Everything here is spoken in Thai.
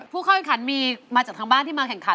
ผู้เข้าแข่งขันมีมาจากทางบ้านที่มาแข่งขัน